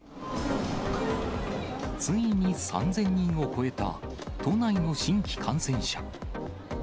ついに３０００人を超えた都内の新規感染者。